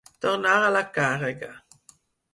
Tornar a la càrrega.